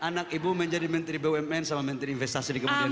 anak ibu menjadi menteri bumn sama menteri investasi di kemudian